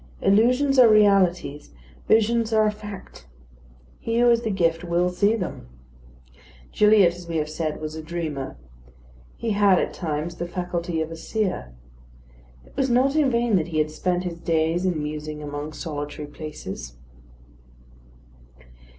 Illusions or realities, visions are a fact. He who has the gift will see them. Gilliatt, as we have said, was a dreamer. He had, at times, the faculty of a seer. It was not in vain that he had spent his days in musing among solitary places.